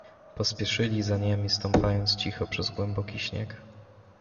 "Pospieszyli za niemi, stąpając cicho przez głęboki śnieg."